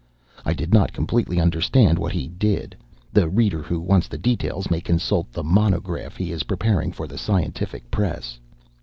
I did not completely understand what he did; the reader who wants the details may consult the monograph he is preparing for the scientific press.